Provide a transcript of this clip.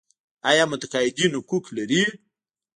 آیا متقاعدین حقوق لري؟